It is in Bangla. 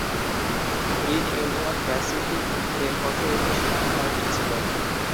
গ্রীন ইউনিয়ন প্যাসিফিক রেলপথের একটি শিপিং পয়েন্ট ছিল।